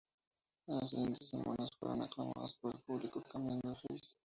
En las siguientes semanas, fueron aclamados por el público cambiando a "face".